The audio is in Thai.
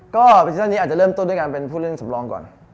ก็ภาษาซีสันนี้เราจะเริ่มได้โดยการเป็นผู้เล่นสำรองก่อน